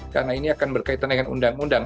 karena ini akan berkaitan dengan undang undang